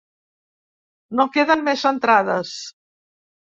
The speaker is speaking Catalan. No queden més entrades.